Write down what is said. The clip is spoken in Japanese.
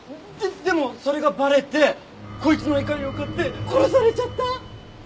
ででもそれがバレてこいつの怒りを買って殺されちゃった？